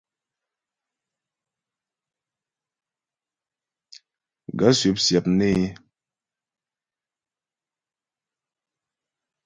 Gaə̂ swɔp syap nê é.